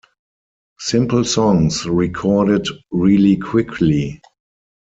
Simple songs recorded really quickly.